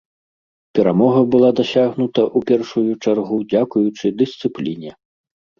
Перамога была дасягнута, у першую чаргу, дзякуючы дысцыпліне.